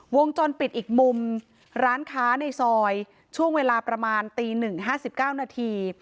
วงจรปิดอีกมุมร้านค้าในซอยช่วงเวลาประมาณตีหนึ่งห้าสิบเก้านาที